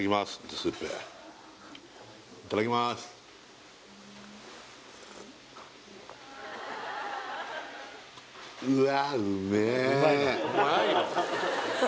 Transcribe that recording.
スープいただきまーすあ